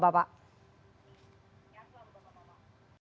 ya pak bapak bapak